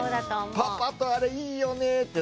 パパとあれいいよねって。